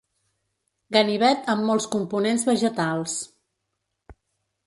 Ganivet amb molts components vegetals.